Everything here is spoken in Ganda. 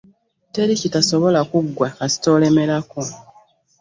Teri kitasobola kuggwa kasita olemerako.